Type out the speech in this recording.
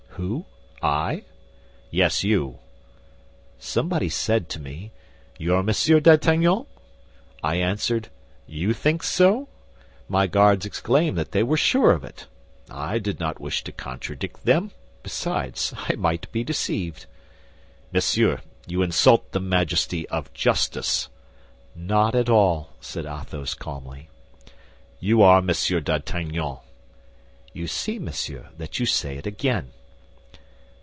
"Who, I?" "Yes, you." "Somebody said to me, 'You are Monsieur d'Artagnan?' I answered, 'You think so?' My guards exclaimed that they were sure of it. I did not wish to contradict them; besides, I might be deceived." "Monsieur, you insult the majesty of justice." "Not at all," said Athos, calmly. "You are Monsieur d'Artagnan." "You see, monsieur, that you say it again."